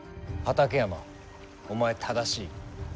畠山、お前、正しい。